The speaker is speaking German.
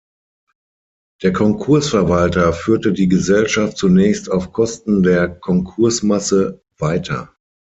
Der Konkursverwalter führte die Gesellschaft zunächst auf Kosten der Konkursmasse weiter.